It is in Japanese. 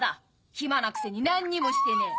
暇なくせに何にもしてねえ。